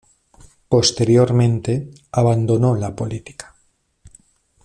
Posteriormente, abandonó la política.